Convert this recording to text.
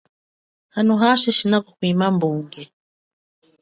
Hano hashi shina kuhwima mbunge.